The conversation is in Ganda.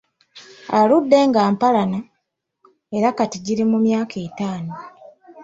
Aludde nga ampalana era kati giri mu myaka etaano.